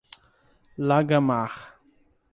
Lagamar